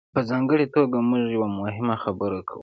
په ځانګړې توګه موږ یوه مهمه خبره کوو.